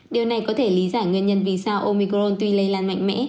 điều này có thể lý giải nguyên nhân vì sao omicron tuy lây lan mạnh mẽ